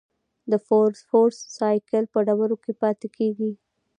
د فوسفورس سائیکل په ډبرو کې پاتې کېږي.